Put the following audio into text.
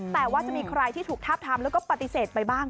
แต่ว่าจะมีใครที่ถูกทาบทามแล้วก็ปฏิเสธไปบ้าง